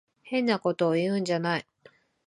変なことを言うんじゃない。